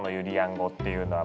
語っていうのは。